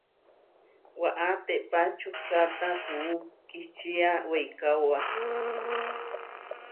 Waʼá téʼpa čukkata puú kihčia weikaóba.